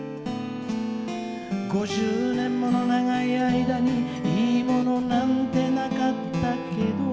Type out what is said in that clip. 「５０年もの長い間にいいものなんて無かったけど」